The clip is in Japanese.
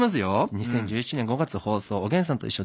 ２０１７年５月放送「おげんさんといっしょ」